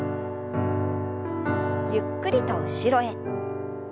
ゆっくりと後ろへ。